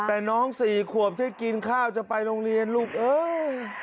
แต่น้องสี่ขวบที่กินข้าวจะไปโรงเรียนลูกเอ้ย